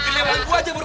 bibir lebar gue aja bu